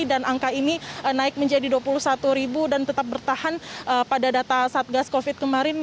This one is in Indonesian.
dan angka ini naik menjadi dua puluh satu ribu dan tetap bertahan pada data satgas covid kemarin